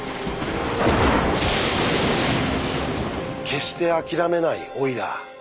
決して諦めないオイラー。